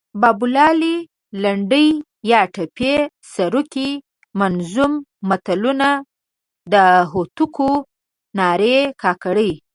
بابولالې، لنډۍ یا ټپې، سروکي، منظوم متلونه، د هوتکو نارې، کاکړۍ